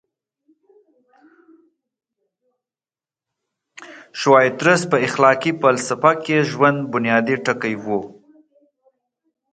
شوایتزر په اخلاقي فلسفه کې ژوند بنیادي ټکی و.